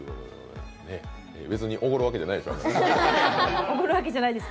別におごるわけじゃないですね。